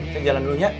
cik jalan dulunya